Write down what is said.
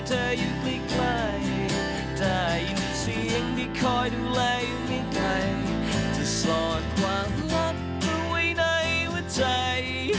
แต่มีเสียงได้คอยดูแลให้ไงดายถ้าสอนความลับผมเอาไว้ในหัวใจ